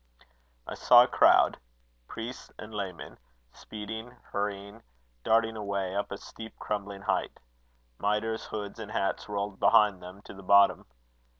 "I saw a crowd priests and laymen speeding, hurrying, darting away, up a steep, crumbling height. Mitres, hoods, and hats rolled behind them to the bottom.